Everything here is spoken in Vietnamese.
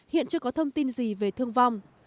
hiện chưa có thông tin gì về thương vong